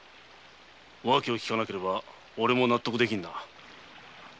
訳を聞かなければオレも納得できぬな。